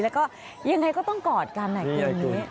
แล้วก็อย่างไรก็ต้องกอดกันอย่างนี้